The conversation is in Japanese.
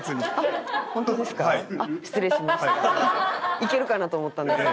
いけるかなと思ったんですが。